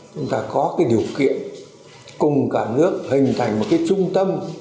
chúng ta có điều kiện cùng cả nước hình thành một trung tâm